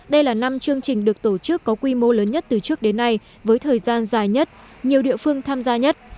đây là năm chương trình được tổ chức có quy mô lớn nhất từ trước đến nay với thời gian dài nhất nhiều địa phương tham gia nhất